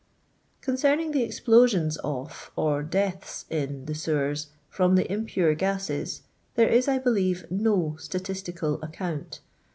Concerning the explosions of, or deaths in, the lowers from the impure gases, there is, I believe, no statistical account.